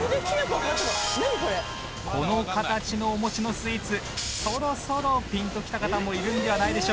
この形のお餅のスイーツそろそろピンときた方もいるんではないでしょうか。